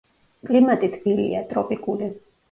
კლიმატი თბილია, ტროპიკული.